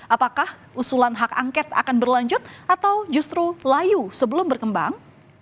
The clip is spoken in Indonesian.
apakah usulan hak angket akan berlanjut atau justru layu sebelum berkembang